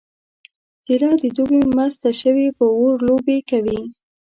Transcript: څیله د دوبي مسته شوې په اور لوبې کوي